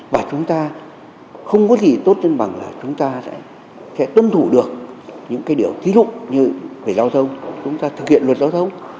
và chúng ta không có gì tốt cân bằng là chúng ta sẽ tuân thủ được những cái điều thí dụ như về giao thông chúng ta thực hiện luật giao thông